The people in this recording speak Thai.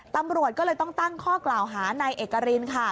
ตำรวจก็เลยต้องตั้งข้อกล่าวหานายเอกรินค่ะ